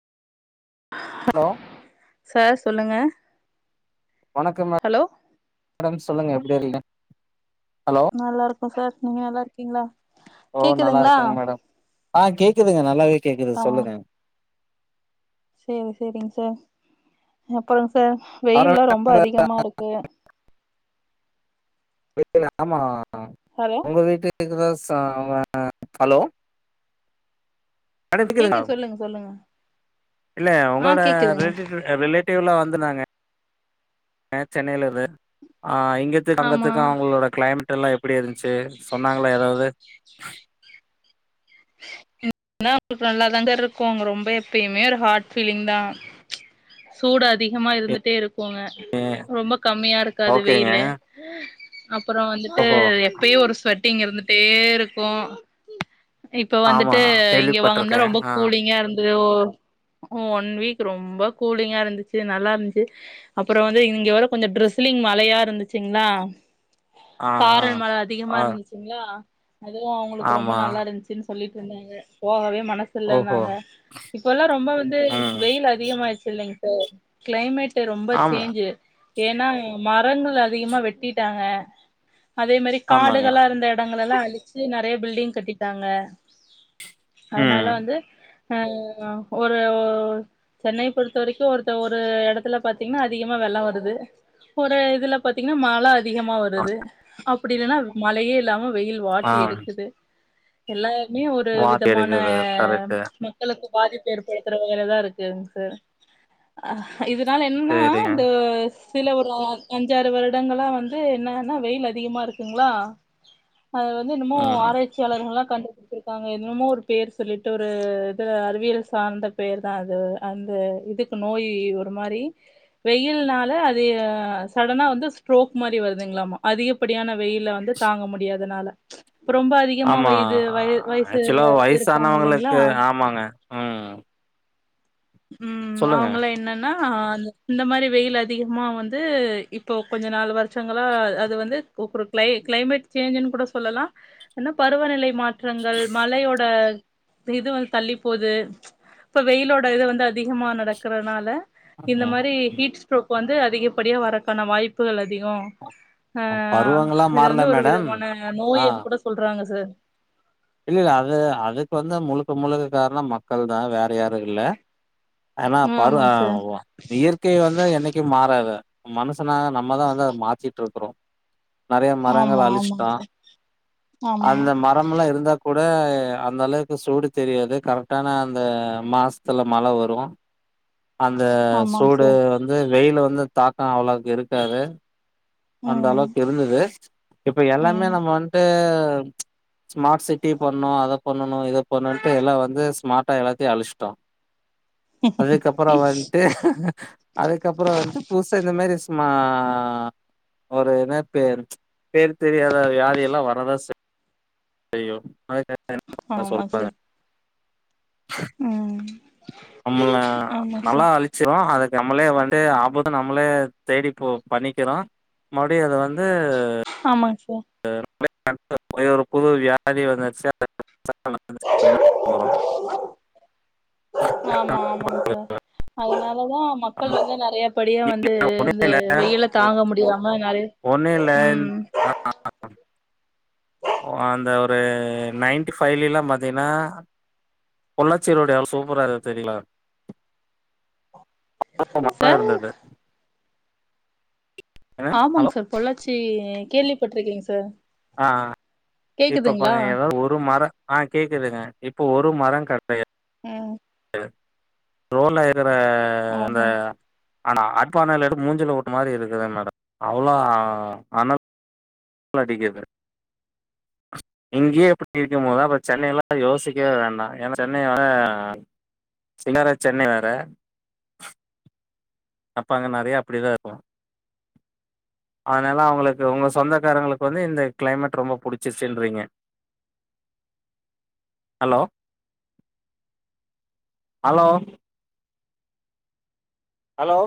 Hello sir சொல்லுங்க வணக்கம் மேட ஹலோ மேடம் சொல்லுங்க எப்டி இருக்கீங்க ஹலோ நல்லா இருக்கோ சார் நீங்க நல்லாருக்கீங்களா ஓ நல்லா இருக்கங்க மேடம். ஆ கேக்குதுங்க நல்லாவே கேக்குது ஆ சொல்லுங்க. சேரி சேரிங் சார் அப்புறங் சார் அப்புறம் வெயில்லா ரொம்ப என்ன அதிகமா இருக்கு. வெயிலா ஆமா ஹலோ வீட்டுக்கிட்டதா [unintelligible] ஹலோ மேடம் கேக்குதுங்களா கேக்குது சொல்லுங்க சொல்லுங்க இல்ல ஆ உங்களோட கேக்குதுங்க வெல்த் இன்சூரன்ஸ் ரிலேட்டிவ்லா வந்துருந்தாங்க சென்னைலருந்து ஆ இங்க இங்கத்துக்கு ஆமா அங்கத்துக்கு அவங்களோட கிளைமேட்யெல்லா எப்டியிருந்துச்சு சொன்னாங்களா ஏதாவது [unintelligible] நல்லாதாங்க இருக்கு. ரொம்ப எப்பேயுமே ஒரு ஹார்ட் ஃபீலிங் தா சூடு அதிகமா இருந்துட்டே இருக்குங்க. ரொம்ப கம்மியாருக்காது ஓகேங்க வெயிலு அப்புறோ வந்துட்டு ஓஹோ எப்பயு ஒரு ஸ்வட்டிங் இருந்துட்டேயிருக்கு இப்ப ஆமா வந்துட்டு இங்க வாங்கனதா கேள்விப்பட்டிருக்கே ரொம்ப ஆ கூலிங்கா இருந் தோ ஒன் வீக் ரொம்ப கூலிங்கா இருந்துச்சு. நல்லா இருந்துச் அப்புறோ வந்து இங்க ஒரு கொஞ்ச ட்ரெஸ்லிங் மலையா இருந்துச்சுங்களா. ஆ ஆ சாரல் மழ அதிகமா ஆ இருந்துச்சு அதுவு அவங்களுக்கு ரொம்ப ஆமா நல்லா இருந்துச்சுனு சொல்லிட்டு இருந்தாங்க போகவே மன சில்ல ஓஹோ நாங்க இப்பலா ரொம்ப வந்து ம் வெயில் அதிகமா ஆயிருச்சு இல்லைங் சார் கிளைமேட்டு ரொம்ப ஆமா சேஞ்சு ஏனா மரங்கள் அதிகமா வெட்டிட்டாங்க. அதே மாரி ஆமாங்க காடுகளா இருந்த இடங்களலா அழி ச்சு நெறைய பில்டிங் கட்டிட்டாங்க. அதனால ம் வந்து ஆ ஒரு சென்னைய பொறுத்து பொறுத்த வரைக்கூ ஒருத்த ஒரு எடத்துல பாத்தீங்ன்னா அதிகமா வெள்ள வருது ஒரு இதுல பாத்தீங்ன்னா மழ அ அதிகமா வருது அப்டி இல்லைன்னா மழையே இல்லாம வெயில் ஆ வாட்டி எடுக்குது எல்லாருமே ஒரு வாந்தி விதமான எடுக்குது கரெக்ட்டு மக்களுக்கு பாதிப்பு ஏற்படுத்துற வகையல தா இருக்குங்க சி இதுனால என்னன்னா சேரிங்க இந்தஸ் சில ஒரு அஞ்சாறு வருடங்கள்லா வந்து என்னன்னா வெயில் அதிகமா இருக்குங்ளா அது வந்து இன்னுமோ ம் ஆராய்ச் ஆய்சியாளர்களா கண்டுபிடுச்சிருக்காங்க என்னமோ ஒரு பேர் சொல்லிட்டு ஒரு இதுல அறிவியல் சார்ந்த பேர்தா அது அந்த இதுக்கு நோய் ஒரு மாரி வெயில்னால அது சடனா வந்து ஸ்ட்ரோக் மாரி வருதுங்ளாமா அதிக ப்படியான வெயில வந்து தாங்க முடியாதனால ரொம்ப அதிகமா ஆமா வயது வய வயசுல ஆக்சுவலா இருக்காங்க இல்லலைங்ளா வயசானவங்களுக்கு ஆமாங்க ம் ம் சொல்லுங்க அவுங்களா என்னன் னா அந்த இந்த மாரி வெயில் அதிகமா வந்து இப்போ கொஞ்ச நாலு வருஷங்களா அது வந்து [unintelligible] க்ளை க்ளைமேட் சேஞ்சுன்னு கூட சொல்லலா என்னா பருவநிலை மாற் ற்றங்கள் மழையோட இது வந்து தள்ளிப்போது இப்ப வெயிலோட இது வந்து து அதிகமா நடக்ககுறதுனால இந்த ம் மாரி ம் ஹீட்ஸ் சோ இப்போ வந்து அதிகப்படியா வரக்கான வாய்ப்புகள் அதிகோ ஆ பருவங்களா இது மாறல வந்து ஒரு மேடம் விதமான ஆ நோயின் கூட சொல்றாங்க சிலர் இல்ல இல்ல அது அதுக்கு வந்து முழுக்க முழுக்க காரண மக்கள்தா வேற யாரு இல்ல ஆனா பரு அ ஆமாங்க சார் ஓ இயற் க்கை வந்து என்னைக்கூ மாறாது மனுஷனா நம்மதா அத மாத்திட்டுருக்குறோ நறைய மரங்கள ஆமா ஆமாங்க அழிச்சிட்டோ சார் ஆமா அந்த மரம்லா இருந்தாக் கூட அந்த அளவுக்கு சூடு தெரியாது கரெக்டான அந்த மாசத்துல மழ வரு அந்த ஆமாங்க சூடு சார் வந்து வெயிலு வந்து தாக்கோ அவ்வளவுக்கு இருக்காது அந்த ம் அளவுக்கு இருந்துது இப்ப எல்லாமே நம்ம ம் வந்டு ஸ்மார்ட் சிட் டி பண்ணு அத பண்ணணு இத பண்ணுன்ட்டு எல்லா வந்து ஸ்மார்டா எல்லாத்தயு அழுச்டோ அதுக்கப்பறோ வந்ட்டு அதுக்கப்புறம் வந்து பூசா இந்த மாதிரி சும்மா ஒரு என்ன பே பேர் தெரியாத வியாதி எல்லா வரதா செய்யு ஆமா சார் ம் நம்முள ஆமாங் நல்லா சார் அழிச் ச்சோ அதுக்கு நம்மளே வந்து ஆபத்தூ நம்மளே தேடிப்போ பண்ணிக்கிறோ மறுபடி அது வந்து ஆமாங்க சார் [inaudible] ஒரு புது வியாதி வந்துடுச்சு [inaudible] ஆமா ஆமாங்க சார் அதனாலதா மக்கள் வந்து நறைய படிய வந்து ஒன்றும் இந்த வெயில தாங்க முடியாம நறைய ஒண்ணு இல்ல ம் [inaudible] ஓ அந்த ஒரு நைன்டி ஃபைவ்லேலா பாத்தீங்கன்னா பொள்ளாச்சி ரோடு அவ்ளோ சூப்பரா இருக்கு தெரியுங்களா [inaudible] தா சார் இருந்தது என்ன? ஹலோ ஆமாங்க சார் பொள்ளாச்சி கேள்விபட்டிருக்கேங் சார் அ இப்ப கேக்குதுங்களா பாருங்க ஏதாது ஒரு மர அ கேக்குதுங்க இப்போ ஒரு மர கெடையாது ம் இவ ரோட்ராயல அந்த ஆஹா ஆனா அடுப்பானல் எடுத்து மூஞ்சில ஓட்டு மாரி இருக்குது மேடம் அவ்ளோ அ அனல் அடிக்குது இங்கேயே இப்டி இருக்கும் போது அப்ப சென்னைலா யோசிக்கவே வேண்டா ஏன்னா சென்னையோட சிங்கார சென்னை வேற அப்ப அங்க நெறைய்ய அப்டிதா இருக்கு அதுனால அவுங்களுக்கு உங்க சொந்தக்காரங்களுக்கு வந்து இந்த கிளைமேட் ரொம்ப புடிச்சிருச்சுன்றீங்க ஹலோ ஹலோ ஹலோ